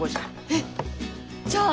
えっじゃあ。